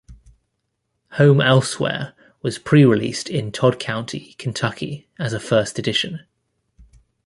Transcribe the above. Home Elsewhere was pre-released in Todd County, Kentucky as a first edition.